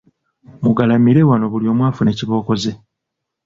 Mugalamire wano buli omu afune kibooko ze.